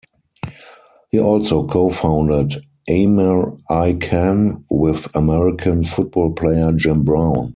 He also co-founded Amer-I-Can with American football player Jim Brown.